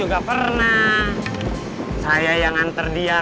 kamu risa kerja